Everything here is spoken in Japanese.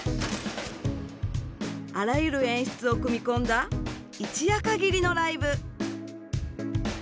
あらゆる演出を組み込んだ一夜限りのライブ。